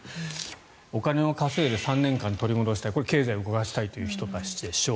お金を稼いで３年間を取り戻したいこれ、経済を動かしたいという人たちでしょう。